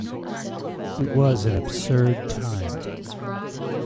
It was an absurd time.